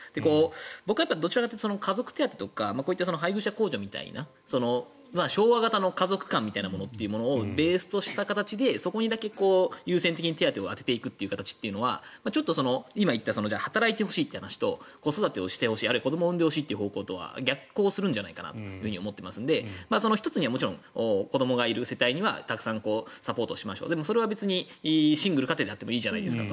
僕はどちらかというと家族手当とかこういった配偶者控除みたいな昭和型の家族観みたいなものをベースとした形でそこにだけ優先的に手当を当てていく形はちょっと今言った働いてほしいという話と子育てをしてほしいという話あるいは子どもを産んでほしいという方向には逆行するんじゃないかと思っていますので１つにはもちろん子どもがいる世帯にはたくさんサポートをしましょうでも、それはシングル家庭であってもいいじゃないですかと。